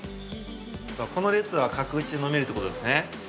この列は角打ちで飲めるってことですね。